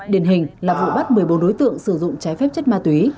điển hình là vụ bắt một mươi bốn đối tượng sử dụng trái phép chất ma túy